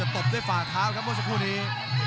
ตบด้วยฝ่าเท้าหมุนสักครู่นี้